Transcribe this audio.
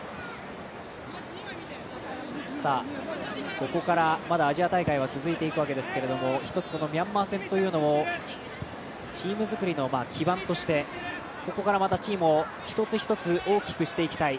ここから、まだアジア大会は続いていくわけですが一つ、ミャンマー戦というのもチーム作りの基盤としてここから、またチームを一つ一つ大きくしていきたい。